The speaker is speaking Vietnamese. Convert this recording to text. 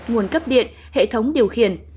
nguồn cấp điện hệ thống điều khiển